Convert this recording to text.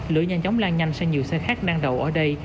lửa nhanh chóng lan nhanh sang nhiều xe khác đang đầu ở đây